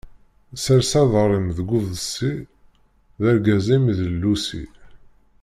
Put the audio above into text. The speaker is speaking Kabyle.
Sers aḍar-im deg uḍebṣi, d argaz-im i d llusi.